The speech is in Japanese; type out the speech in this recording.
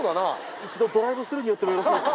一度ドライブスルーに寄ってもよろしいですか？